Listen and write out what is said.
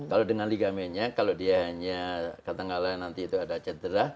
kalau dengan ligamennya kalau dia hanya katakanlah nanti itu ada cedera